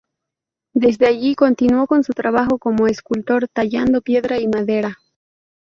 Desde allí continuó con su trabajo como escultor, tallando piedra y madera.